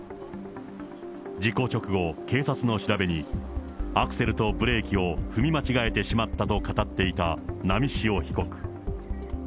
事故直後、警察の調べに、アクセルとブレーキを踏み間違えてしまったと語っていた波汐被告。